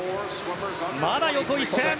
まだ横一線。